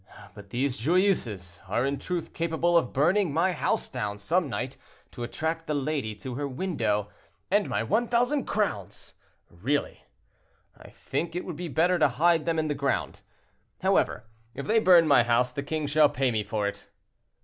But these Joyeuses are in truth capable of burning my house down some night, to attract the lady to her window: and my 1,000 crowns! really, I think it would be better to hide them in the ground. However, if they burn my house the king shall pay me for it."